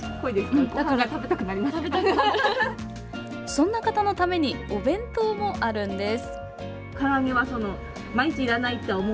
そんな方のためにお弁当もあるんです。